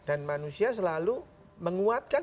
dan manusia selalu menguatkan